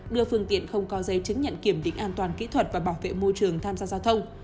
đưa phương tiện không có giấy chứng nhận kiểm định an toàn kỹ thuật và bảo vệ môi trường tham gia giao thông